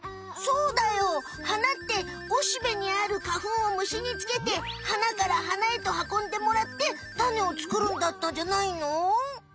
そうだよ！はなってオシベにある花粉をむしにつけてはなからはなへと運んでもらってタネをつくるんだったんじゃないの？